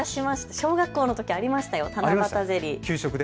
小学校のときありましたよ、七夕ゼリー。